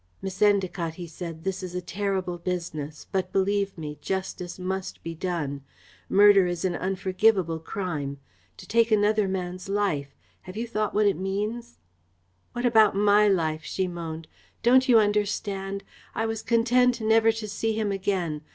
"Miss Endacott," he said, "this is a terrible business, but believe me, justice must be done. Murder is an unforgivable crime. To take another man's life have you thought what it means?" "What about my life?" she moaned. "Don't you understand? I was content never to see him again.